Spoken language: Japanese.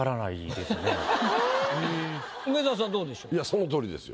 そのとおりですよ。